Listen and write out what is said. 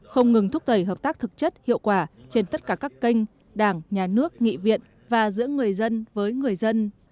không ngừng thúc đẩy hợp tác thực chất hiệu quả trên tất cả các kênh đảng nhà nước nghị viện và giữa người dân với người dân